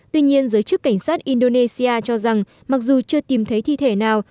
tuy nhiên giới chức cảnh sát indonesia cho rằng mặc dù chưa tìm thấy thi thể nào